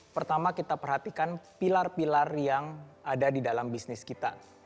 pertama kita perhatikan pilar pilar yang ada di dalam bisnis kita